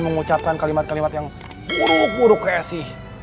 mengucapkan kalimat kalimat yang buruk buruk ke esy